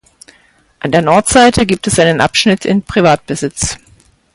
An der Nordseite gibt es einen Abschnitt in Privatbesitz.